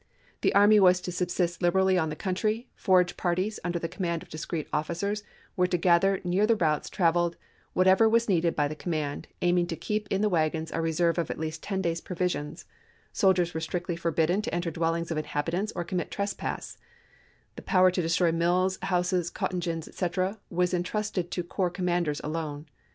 The army was to subsist liberally on the country; forage parties, under the command of discreet officers, were to gather near the routes traveled whatever was needed by the command, aiming to keep in the wagons a reserve of at least ten days' provisions ; soldiers were strictly for bidden to enter dwellings of inhabitants or commit trespasses ; the power to destroy mills, houses, cotton gins, etc., was intrusted to corps com manders alone.